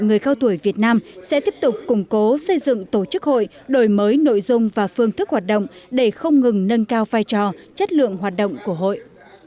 người cao tuổi việt nam sẽ tiếp tục củng cố xây dựng tổ chức hội đổi mới nội dung và phương thức hoạt động để không ngừng nâng cao vai trò chất lượng hoạt động của hội